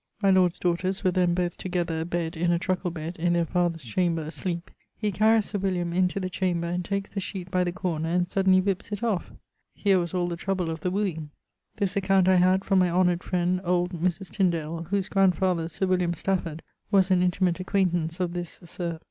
My lord's daughters were then both together a bed in a truckle bed in their father's chamber asleep. He carries Sir into the chamber and takes the sheet by the corner and suddenly whippes it off.... Here was all the trouble of the wooeing. This account I had from my honoured friend old Mris. Tyndale, whose grandfather Sir William Stafford was an intimate acquaintance of this Sir